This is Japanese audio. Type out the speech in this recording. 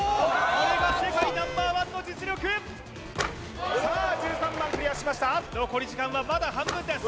これが世界Ｎｏ．１の実力さあ１３番クリアしました残り時間はまだ半分です